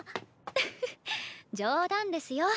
フフフッ冗談ですよ。